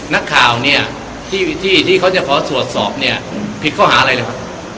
นักข่าวเนี่ยที่ที่เขาจะขอตรวจสอบเนี่ยผิดข้อหาอะไรเลยครับ